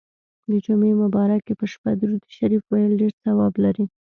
د جمعې مبارڪي په شپه درود شریف ویل ډیر ثواب لري.